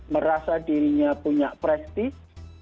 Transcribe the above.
merasa dirinya punya prestis